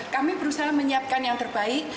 kami berusaha menyiapkan yang terbaik